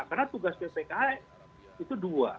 karena tugas bpkh itu dua